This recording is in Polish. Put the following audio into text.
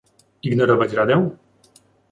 Ignorować Radę?